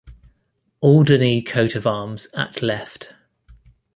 Alderney coat of arms at left.